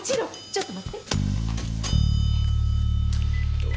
ちょっと待って。